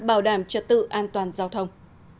bảo đảm trật tự an toàn giao thông